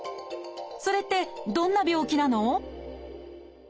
それってどんな病気なの？